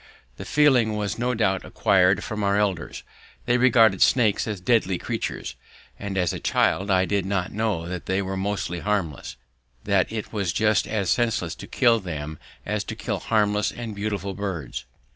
The feeling was no doubt acquired from our elders. They regarded snakes as deadly creatures, and as a child I did not know that they were mostly harmless, that it was just as senseless to kill them as to kill harmless and beautiful birds.